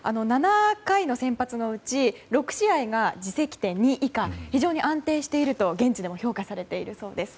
７回の先発のうち６試合が自責点２以下と非常に安定していると現地でも評価されているそうです。